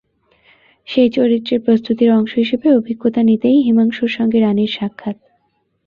সেই চরিত্রের প্রস্তুতির অংশ হিসেবে অভিজ্ঞতা নিতেই হিমাংশুর সঙ্গে রানীর সাক্ষাৎ।